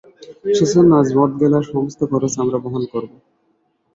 সেজন্য আজ মদ গেলার সমস্ত খরচ আমরা বহন করবো!